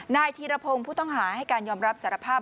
นายธีรพงศ์ผู้ต้องหาให้การยอมรับสารภาพ